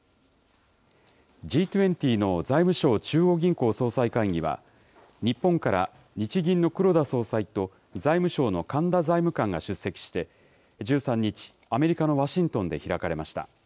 Ｇ２０の財務相・中央銀行総裁会議は、日本から日銀の黒田総裁と、財務省の神田財務官が出席して、１３日、アメリカのワシントンで開かれました。